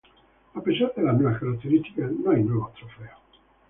A pesar de las nuevas características, no hay nuevos trofeos.